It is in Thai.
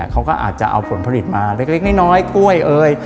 เขาก็อาจจะเอาผลผลิตมาเล็กน้อยกล้วยเอ่ย